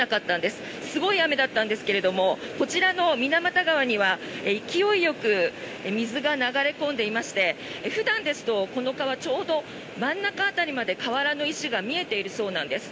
すごい雨だったんですけどもこちらの水俣川には勢いよく水が流れ込んでいまして普段ですとこの川ちょうど真ん中辺りまで河原の石が見えているそうなんです。